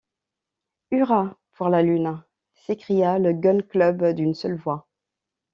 Hurrah pour la Lune! s’écria le Gun-Club d’une seule voix.